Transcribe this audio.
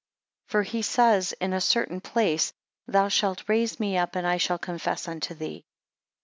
7 For he says in a certain place, Thou shalt raise me up and I shall confess unto thee.